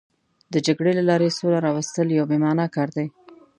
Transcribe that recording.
د جګړې له لارې سوله راوستل یو بې معنا کار دی.